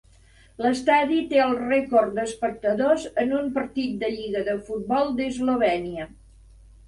L'estadi té el rècord d'espectadors en un partit de lliga de futbol d'Eslovènia.